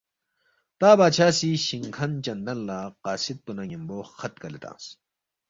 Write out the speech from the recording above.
تا بادشاہ سی شِنگ کھن چندن لہ قاصد پو نہ ن٘یمبو خط کلے تنگس